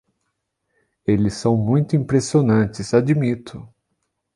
Eles são muito impressionantes, admito.